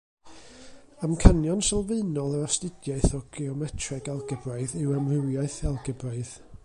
Amcanion sylfaenol yr astudiaeth o geometreg algebraidd yw amrywiaeth algebraidd.